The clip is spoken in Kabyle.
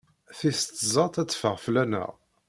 Tis tẓat ad teffeɣ fell-aneɣ.